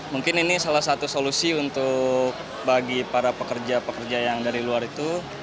mungkin ini salah satu solusi untuk bagi para pekerja pekerja yang dari luar itu